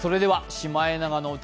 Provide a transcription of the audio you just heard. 「シマエナガの歌」